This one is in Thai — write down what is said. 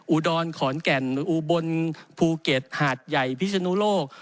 อุดรขอนแก่นอุบลภูเก็ตหาดใหญ่พิศนุโลก